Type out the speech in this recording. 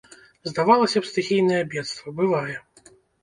Здавалася б, стыхійнае бедства, бывае.